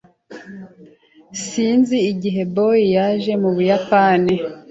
Sinzi igihe Bob yaje mu Buyapani.